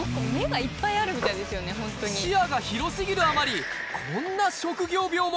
視野が広すぎるあまり、こんな職業病も。